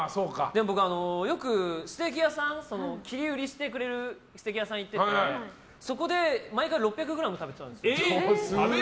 僕、よく切り売りしてくれるステーキ屋さん行っててそこで毎回６００ｇ食べてたんですよ。